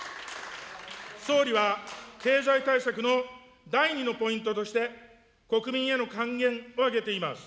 総理は経済対策の第２のポイントとして、国民への還元を挙げています。